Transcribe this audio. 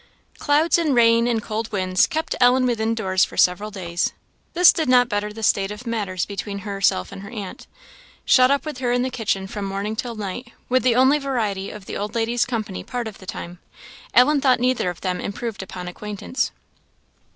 Clouds and rain and cold winds kept Ellen within doors for several days. This did not better the state of matters between herself and her aunt. Shut up with her in the kitchen from morning till night, with the only variety of the old lady's company part of the time, Ellen thought neither of them improved upon acquaintance.